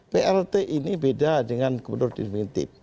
plt ini beda dengan gubernur definitif